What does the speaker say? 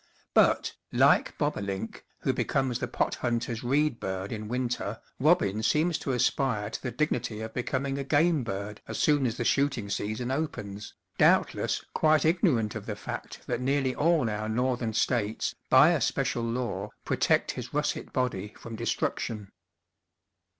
But, like bobo link, who becomes the pot hunter's reed bird in winter, robin seems to aspire to the dignity of becoming a game bird as soon as the shooting season opens, doubtless quite ignorant of the fact that nearly all our Northern States by a special law protect his russet body from destruction.